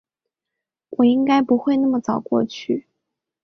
我应该不会那么早过去